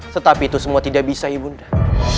tetapi itu semua tidak bisa ibu kak